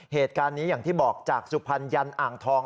เหตุการณ์นี้อย่างที่บอกจากสุพรรณยันอ่างทอง